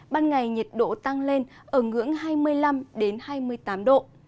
ban ngày nhiệt độ tăng lên ở ngưỡng hai mươi năm hai mươi tám độ